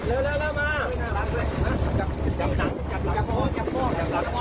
โอ้โฮจับข้อ